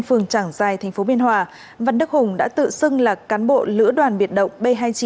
phường trảng giai tp biên hòa văn đức hùng đã tự xưng là cán bộ lửa đoàn biệt động b hai mươi chín